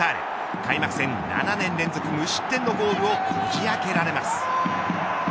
開幕戦７年連続無失点のゴールをこじ開けられます。